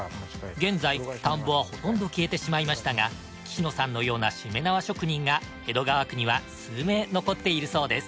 現在田んぼはほとんど消えてしまいましたが岸野さんのようなしめ縄職人が江戸川区には数名残っているそうです。